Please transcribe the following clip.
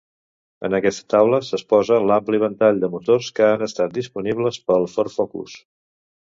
En aquesta taula s'exposa l'ampli ventall de motors que han estat disponibles pel Ford Focus.